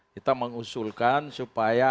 kita mengusulkan supaya